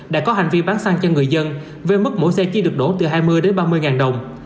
đã có hành vi bán xăng cho người dân với mức mỗi xe chỉ được đổ từ hai mươi đến ba mươi ngàn đồng